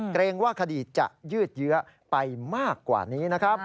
เกรงว่าคดีจะยืดเยื้อไปมากกว่านี้นะครับ